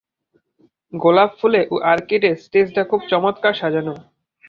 গোলাপফুলে ও আর্কিডে স্টেজটা খুব চমৎকার সাজানো!